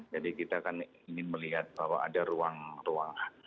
jadi kita kan ingin melihat bahwa ada ruang kosong